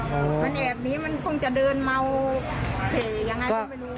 มันแอบหนีมันคงจะเดินเมาเฉยอย่างไรก็ไม่รู้ค่ะ